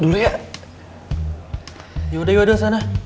baik saya pergi ke sana